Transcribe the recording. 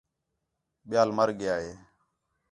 ٻِیال مَر ڳِیا ہِے